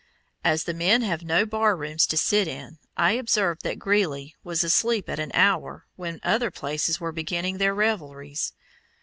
As the men have no bar rooms to sit in, I observed that Greeley was asleep at an hour when other places were beginning their revelries.